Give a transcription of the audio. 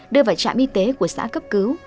đưa vào trạm y tế của xã cấp cứu